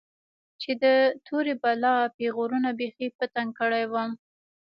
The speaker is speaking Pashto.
چې د تورې بلا پيغورونو بيخي په تنگ کړى وم.